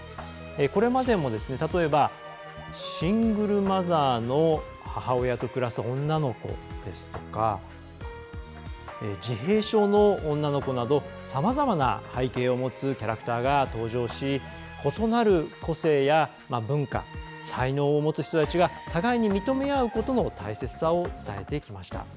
これまでも例えばシングルマザーの母親と暮らす女の子ですとか自閉症の女の子などさまざまな背景を持つキャラクターが登場し異なる個性や文化才能を持つ人たちが互いに認め合うことの大切さを伝えてきました。